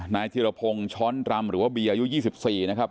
นายเทียรพงช้อนรำหรือว่าเบียร์อายุ๒๔นะครับ